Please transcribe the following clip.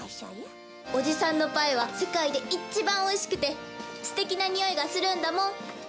おじさんのパイは世界で一番おいしくて素敵なにおいがするんだもん！